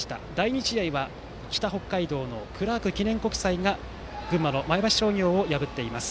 第２試合は北北海道のクラーク記念国際が群馬の前橋商業を破っています。